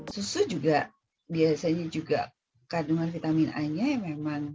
susu juga biasanya juga kandungan vitamin a nya yang memang